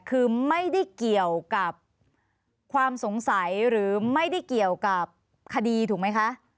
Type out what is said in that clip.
คือไม่ได้เกี่ยวกับความสงสัยหรือไม่ได้เกี่ยวกับคดีถูกไหมคะ